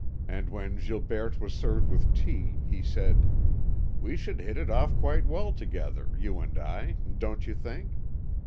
And when Gilberte was served with tea, he said: "We should hit it off quite well together, you and I, don't you think?"